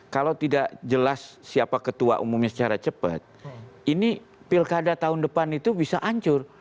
kalau tidak jelas siapa ketua umumnya secara cepat ini pilkada tahun depan itu bisa hancur